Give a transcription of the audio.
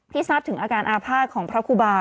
พิสัพท์ถึงอาการอาภาษณ์ของพระครูบา